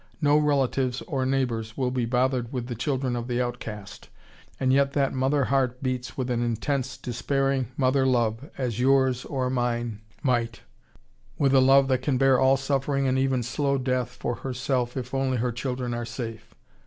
No relatives or neighbors will be bothered with the children of the outcast, and yet that mother heart beats with an intense, despairing mother love as yours or mine might, with a love that can bear all suffering and even slow death for herself if only her children are safe.